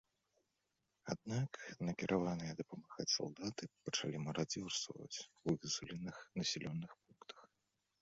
Аднак накіраваныя дапамагаць салдаты пачалі марадзёрстваваць ў вызваленых населеных пунктах.